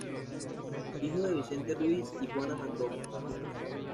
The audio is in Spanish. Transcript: Hijo de Vicente Ruiz y Juana Mondaca.